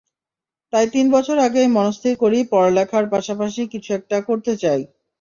তাই তিন বছর আগেই মনস্থির করি পড়ালেখার পাশাপাশি কিছু একটা করা চাই।